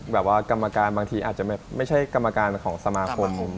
กรรมการบางทีอาจจะไม่ใช่กรรมการของสมาคม